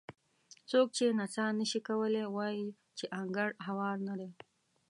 څوک چې نڅا نه شي کولی وایي چې انګړ هوار نه دی.